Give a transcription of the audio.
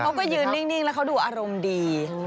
เขาก็ยืนนิ่งแล้วเขาดูอารมณ์ดี